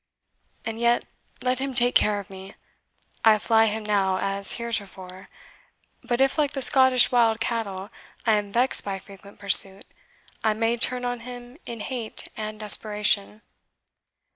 And yet let him take care of me. I fly him now, as heretofore; but if, like the Scottish wild cattle, I am vexed by frequent pursuit, I may turn on him in hate and desperation.